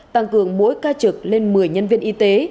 tăng cường mỗi ca trực lên một mươi nhân viên y tế